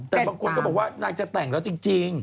แต่บางคนก็บอกว่านางจะแต่งแล้วจริง